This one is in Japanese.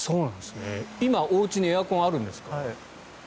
今、おうちにエアコンあるんですか？